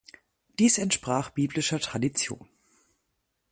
Dies entsprach biblischer Tradition.